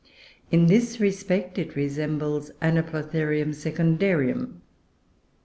In this respect it resembles Anoplotherium secundarium.